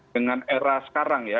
dengan era sekarang ya